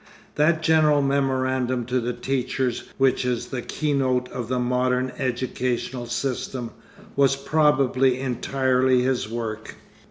That general memorandum to the teachers which is the key note of the modern educational system, was probably entirely his work.